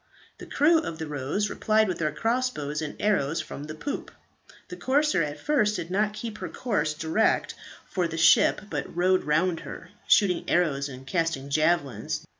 The crew of the "Rose" replied with their crossbows and arrows from the poop. The corsair at first did not keep her course direct for the ship, but rowed round her, shooting arrows and casting javelins.